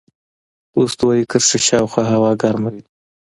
د استوایي کرښې شاوخوا هوا ګرمه وي.